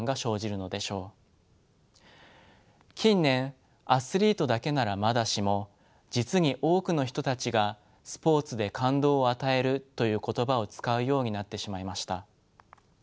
近年アスリートだけならまだしも実に多くの人たちが「スポーツで感動を与える」という言葉を使うようになってしまいました。